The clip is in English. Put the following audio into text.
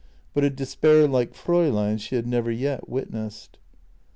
But a despair like Fraulein's she had never yet witnessed.